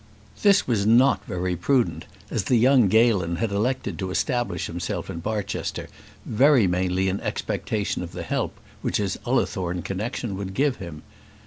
This was not very prudent, as the young Galen had elected to establish himself in Barchester, very mainly in expectation of the help which his Ullathorne connexion would give him.